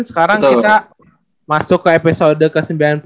sekarang kita masuk ke episode ke sembilan puluh sembilan